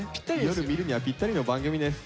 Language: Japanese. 夜見るにはぴったりの番組です。